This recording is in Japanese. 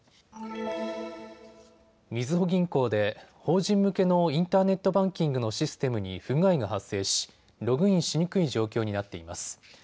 みずほ銀行で法人向けのインターネットバンキングのシステムに不具合が発生しログインしにくい状況になっています。